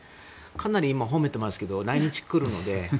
かなり今、褒めてますけど来日来るので。